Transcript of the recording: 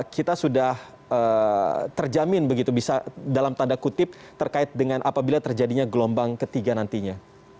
kita sudah terjamin begitu bisa dalam tanda kutip terkait dengan apabila terjadinya gelombang ketiga nantinya